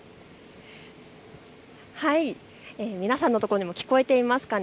皆さんのところにも聞こえてますかね。